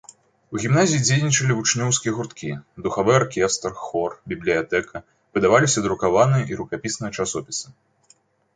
У гімназіі дзейнічалі вучнёўскія гурткі, духавы аркестр, хор, бібліятэка, выдаваліся друкаваныя і рукапісныя часопісы.